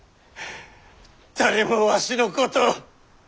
誰もわしのことを！